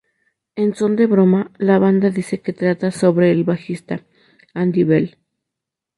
En son de broma, la banda dice que trata sobre el bajista, Andy Bell.